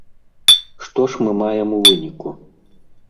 Што ж мы маем у выніку?